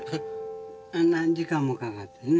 何時間もかかってね。